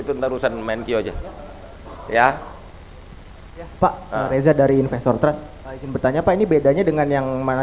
itu terusan main kiya ya pak reza dari investor trust bertanya pak ini bedanya dengan yang mana